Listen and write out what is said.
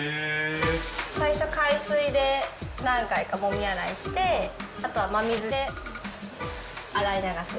最初海水で何回かもみ洗いして、あとは真水で洗い流す。